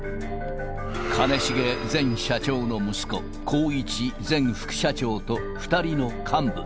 兼重前社長の息子、宏一前副社長と２人の幹部。